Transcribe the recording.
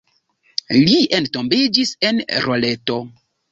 Li entombiĝis en Loreto.